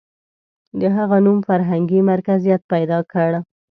• د هغه نوم فرهنګي مرکزیت پیدا کړ.